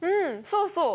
そうそう。